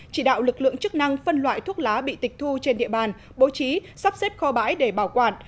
chỉ đạo lực lượng chức năng phân loại thuốc lá bị tịch thu trên địa bàn bố trí sắp xếp kho bãi để bảo quản